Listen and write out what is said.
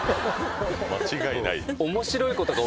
間違いない。